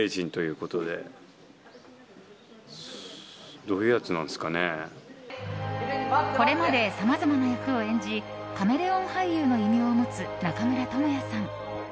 これまでさまざまな役を演じカメレオン俳優の異名を持つ中村倫也さん。